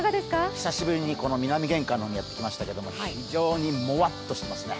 久しぶりに南玄関の方にやってきましたけども非常にもわっとしてますね。